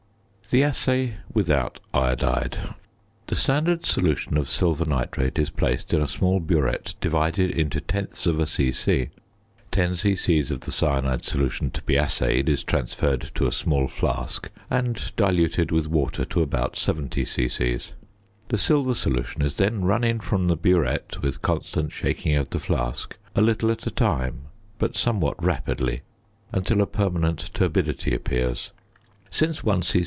~The assay without iodide.~ The standard solution of silver nitrate is placed in a small burette divided into tenths of a c.c. Ten c.c. of the cyanide solution to be assayed is transferred to a small flask and diluted with water to about 70 c.c. The silver solution is then run in from the burette (with constant shaking of the flask), a little at a time but somewhat rapidly, until a permanent turbidity appears. Since 1 c.